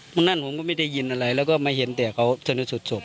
ตรงนั้นผมก็ไม่ได้ยินอะไรแล้วก็ไม่เห็นแต่เขาชนสุดศพ